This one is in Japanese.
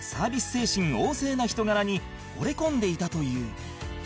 精神旺盛な人柄に惚れ込んでいたという